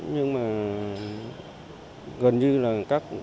nhưng mà gần như là các